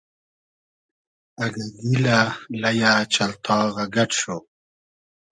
اگۂ گیلۂ ، لئیۂ ، چئلتاغۂ گئۮ شو